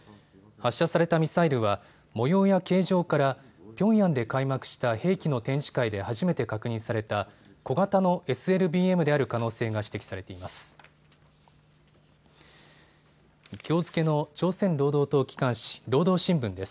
発射されたミサイルは模様や形状からピョンヤンで開幕した兵器の展示会で初めて確認された小型のＳＬＢＭである可能性が指摘されています。